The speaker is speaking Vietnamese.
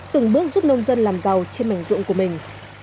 từng bước giúp nông dân làm giàu trên mảnh vượng của mình